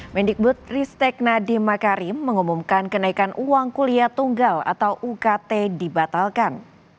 mendikbud ristek nadiem makarim mengumumkan kenaikan uang kuliah tunggal atau ukt dibatalkan